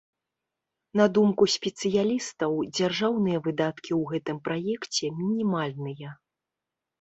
На думку спецыялістаў, дзяржаўныя выдаткі ў гэтым праекце мінімальныя.